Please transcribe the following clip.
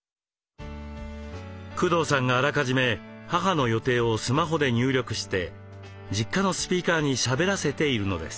工藤さんがあらかじめ母の予定をスマホで入力して実家のスピーカーにしゃべらせているのです。